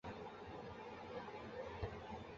林子崴是台湾青棒投手。